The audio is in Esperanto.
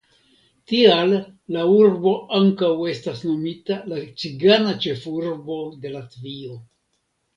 Tial la urbo ankaŭ estas nomita la cigana ĉefurbo de Latvio.